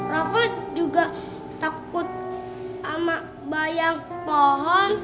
rafa juga takut sama bayang pohon